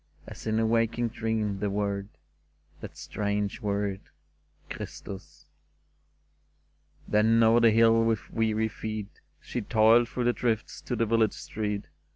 As in a waking dream, the word — That strange word, " Christus !" Then over the hill with weary feet She toiled through the drifts to the village street.